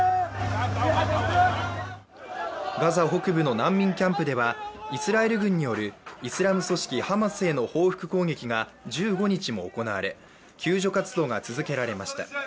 ガザ北部の難民キャンプではイスラエル軍によるイスラム組織ハマスへの報復攻撃が１５日も行われ救助活動が続けられました。